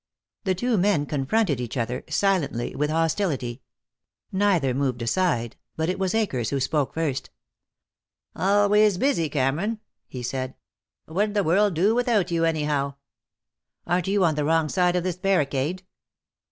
The two men confronted each other, silently, with hostility. Neither moved aside, but it was Akers who spoke first. "Always busy, Cameron," he said. "What'd the world do without you, anyhow?" "Aren't you on the wrong side of this barricade?"